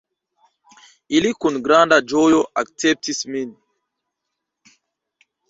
Ili kun granda ĝojo akceptis min.